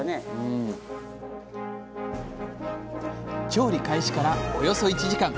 調理開始からおよそ１時間。